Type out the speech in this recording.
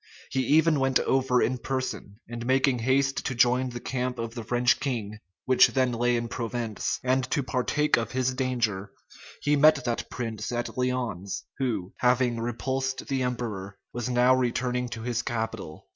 He even went over in person; and making haste to join the camp of the French king, which then lay in Provence, and to partake of his danger, he met that prince at Lyons, who, having repulsed the emperor, was now returning to his capital.